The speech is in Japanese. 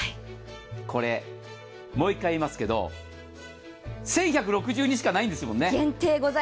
これ、もう一回言いますけど、１１６２しかないんですよね。